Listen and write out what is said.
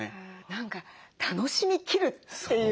何か楽しみきるっていう。